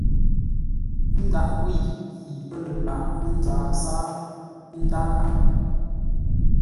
Ndághʼ nkwə̂i yi pə́ lə lǎghʼ mənzaa sáa, ə́ ndáa.